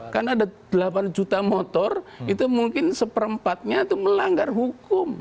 karena ada delapan juta motor itu mungkin seperempatnya itu melanggar hukum